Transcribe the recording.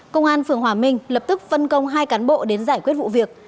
công an phường hòa minh lập tức phân công hai cán bộ đến giải quyết vụ việc